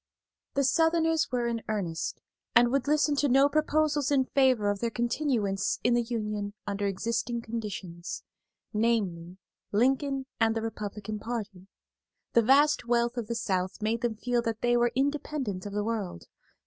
The Southerners were in earnest, and would listen to no proposals in favor of their continuance in the Union under existing conditions; namely, Lincoln and the Republican party. The vast wealth of the South made them feel that they were independent of the world.